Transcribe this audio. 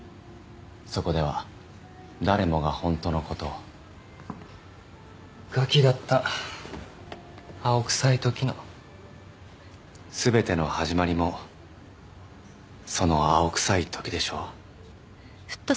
そこでは誰もがホントのことをガキだった青臭いときの全ての始まりもその青臭いときでしょう？